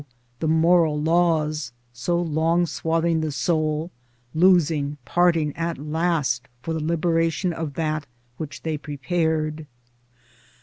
the Moral laws so long swathing the soul, loosing, parting at last for the liberation of that which they prepared.